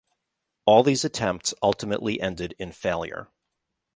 All these attempts ultimately ended in failure.